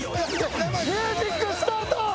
ミュージックスタート！